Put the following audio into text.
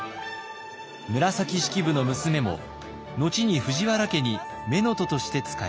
紫式部の娘も後に藤原家に乳母として仕えました。